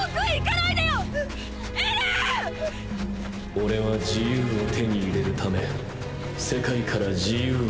オレは自由を手に入れるため世界から自由を奪う。